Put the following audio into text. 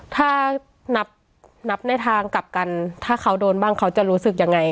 ถ้านับในทางกลับกันถ้าเขาโดนบ้างเขาจะรู้สึกยังไง